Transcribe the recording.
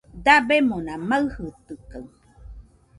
Dabemona maɨjitɨkaɨ